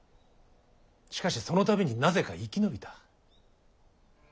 しかしその度になぜか生き延びた。